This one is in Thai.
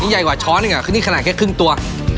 นี่ใหญ่กว่าช้อนอีกอ่ะนี่ขนาดแค่ครึ่งตัว